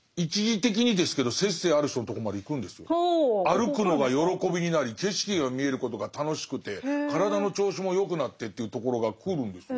歩くのが喜びになり景色が見えることが楽しくて体の調子も良くなってというところがくるんですよ。